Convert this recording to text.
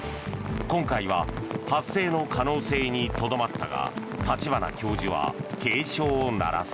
今回は発生の可能性にとどまったが立花教授は警鐘を鳴らす。